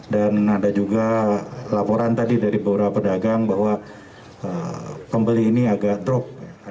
dan ada juga laporan tadi dari beberapa pedagang bahwa pembeli ini agak drop